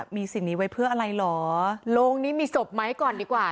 มีสิ่งนี้ไว้เพื่ออะไรเหรอโรงนี้มีศพไหมก่อนดีกว่า